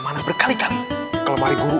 harus dirisimu ke arah guru